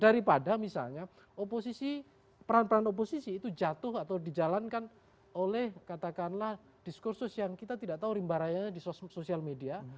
daripada misalnya oposisi peran peran oposisi itu jatuh atau dijalankan oleh katakanlah diskursus yang kita tidak tahu rimba raya di sosial media